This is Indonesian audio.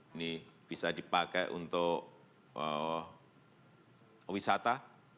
ini bisa dipakai untuk wisata